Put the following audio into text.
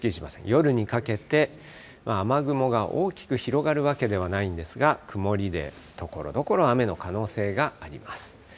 夜にかけて、雨雲が大きく広がるわけではないんですが、曇りでところどころ雨の可能性があります。